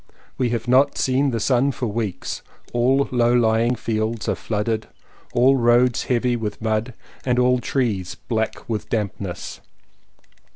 We have not seen the sun for weeks. All low lying fields are flooded, all roads heavy with mud, and all trees black with dampness.